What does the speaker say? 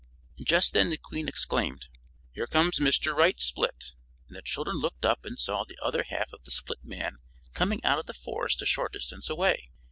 Just then the Queen exclaimed: "Here comes Mr. Right Split," and the children looked up and saw the other half of the split man coming out of the forest a short distance away.